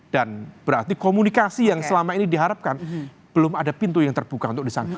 dan berarti komunikasi yang selama ini diharapkan belum ada pintu yang terbuka untuk di sana